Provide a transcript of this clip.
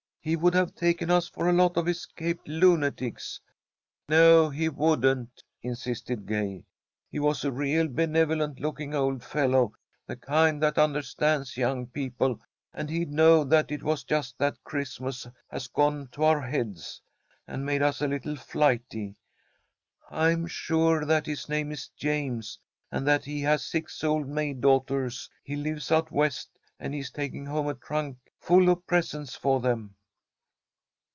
"He would have taken us for a lot of escaped lunatics." "No, he wouldn't," insisted Gay. "He was a real benevolent looking old fellow, the kind that understands young people, and he'd know that it was just that Christmas has gone to our heads, and made us a little flighty. I'm sure that his name is James, and that he has six old maid daughters. He lives out West, and he's taking home a trunk full of presents for them."